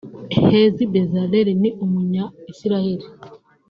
Hezi Bezalel ni Umunya-Israel